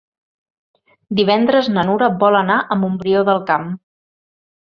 Divendres na Nura vol anar a Montbrió del Camp.